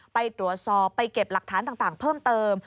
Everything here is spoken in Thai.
ไปตรวจสอบไปเก็บหลักฐานต่างเพิ่มเติม